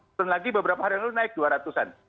turun lagi beberapa hari lalu naik dua ratus an